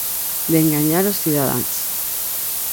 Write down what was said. De enganar os cidadáns.